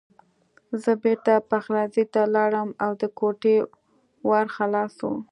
زه بېرته پخلنځي ته لاړم او د کوټې ور خلاص و